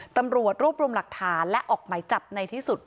ตำรวจรวบรวมหลักฐานและออกหมายจับในที่สุด